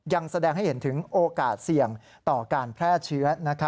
ยังแสดงให้เห็นถึงโอกาสเสี่ยงต่อการแพร่เชื้อ